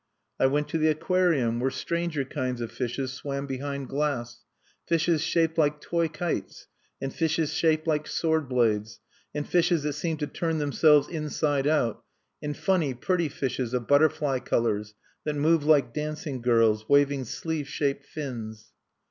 I went to the aquarium where stranger kinds of fishes swam behind glass fishes shaped like toy kites, and fishes shaped like sword blades, and fishes that seemed to turn themselves inside out, and funny, pretty fishes of butterfly colors, that move like dancing girls, waving sleeve shaped fins.